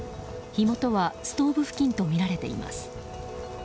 火元はストーブ付近とみられています。